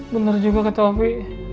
bener juga kata wafi